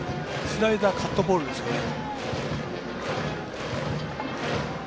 スライダー、カットボールですね。